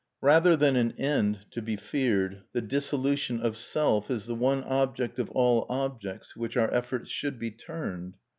Rather than an end to be feared, the dissolution of Self is the one object of all objects to which our efforts should be turned.